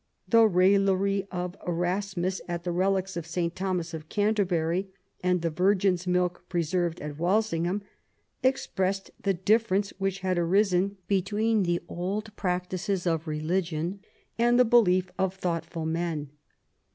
The raillery of Erasmus at the relics of St. Thomas of Canterbury and the Virgin's milk preserved at Walsingham expressed the difierence which had arisen between the old practices of religion and the belief of VIII WOLSEY'S DOMESTIC POLICY 141 thoughtful men.